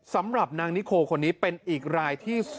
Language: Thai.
สำหรับนางนิโคคนนี้เป็นอีกรายที่